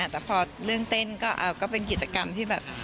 แต่พอเรื่องเต้นก็เป็นกิจกรรมที่แบบ